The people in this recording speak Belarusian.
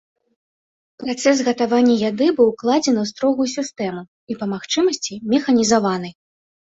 Працэс гатавання яды быў укладзены ў строгую сістэму і па магчымасці механізаваны.